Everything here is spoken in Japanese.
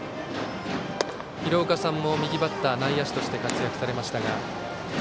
廣岡さんも右バッター、内野手として活躍されました。